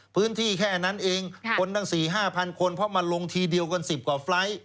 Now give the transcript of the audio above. แค่นั้นเองคนตั้ง๔๕๐๐คนเพราะมันลงทีเดียวกัน๑๐กว่าไฟล์ท